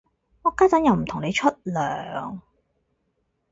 我家陣又唔同你出糧